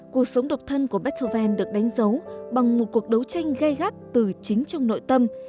cuộc sống độc thân của beethoven được đánh dấu bằng một cuộc đấu tranh gây gắt từ chính trong nội tâm